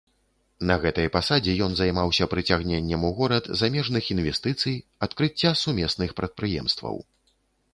На гэтай пасадзе ён займаўся прыцягненнем у горад замежных інвестыцый, адкрыцця сумесных прадпрыемстваў.